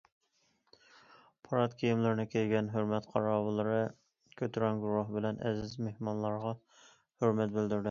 پارات كىيىملىرىنى كىيگەن ھۆرمەت قاراۋۇللىرى كۆتۈرەڭگۈ روھ بىلەن ئەزىز مېھمانلارغا ھۆرمەت بىلدۈردى.